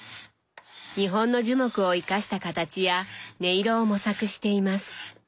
日本の樹木を生かした形や音色を模索しています。